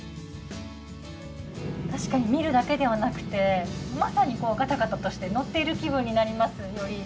確かに見るだけではなくてまさにガタガタとして乗っている気分になります、より。